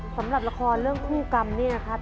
สำหรับละครเรื่องคู่กรรมเนี่ยครับ